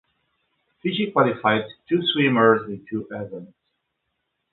Fiji qualified two swimmers in two events.